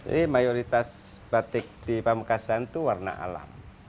jadi mayoritas batik di pemekasan itu warna alam